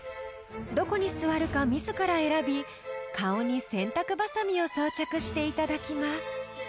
［どこに座るか自ら選び顔に洗濯バサミを装着していただきます］